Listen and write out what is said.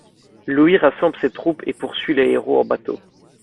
Louhi rassemble ses troupes et poursuit les héros en bateau.